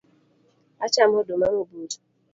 Achamo oduma mobul?